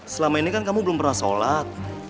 selama ini kan kamu belum pernah sholat